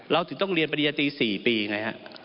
เราถึงต้องเรียนปริญญาตรี๔ปีไงฮะ